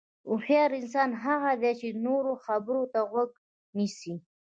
هوښیار انسان هغه دی چې د نورو خبرو ته غوږ نیسي.